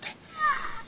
ああ。